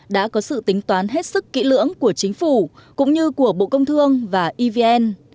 đã có sự tính toán hết sức kỹ lưỡng của chính phủ cũng như của bộ công thương và evn